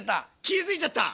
気付いちゃった！